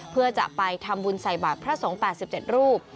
เพื่อจะไปทำบุญใส่บาทพระสงฆ์๘๗รูป